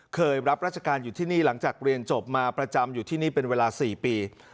รับราชการอยู่ที่นี่หลังจากเรียนจบมาประจำอยู่ที่นี่เป็นเวลา๔ปี